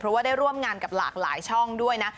เพราะว่าได้ร่วมงานกับหลากหลายช่องด้วยนะ